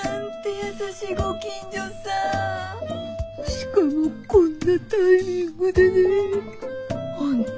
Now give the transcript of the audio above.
しかもこんなタイミングでねぇ。